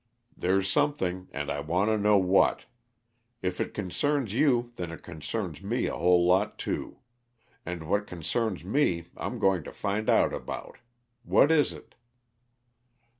There's something, and I want to know what. If it concerns you, then it concerns me a whole lot, too. And what concerns me I'm going to find out about what is it?"